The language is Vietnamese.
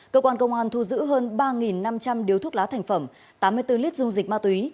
cơ quan công an thu giữ hơn ba năm trăm linh điếu thuốc lá thành phẩm tám mươi bốn lít dung dịch ma túy